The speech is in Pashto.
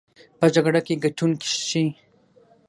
په جګړه کې ګټونکي شي.